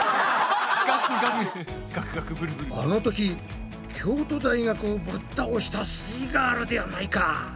あの時京都大学をぶったおしたすイガールではないか！